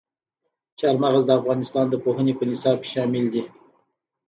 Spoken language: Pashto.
چار مغز د افغانستان د پوهنې په نصاب کې شامل دي.